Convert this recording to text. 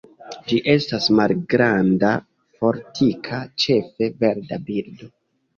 Ĝi estas malgranda, fortika, ĉefe verda birdo.